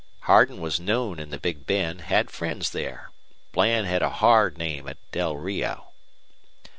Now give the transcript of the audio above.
Hardin was known in the Big Bend, had friends there. Bland had a hard name at Del Rio."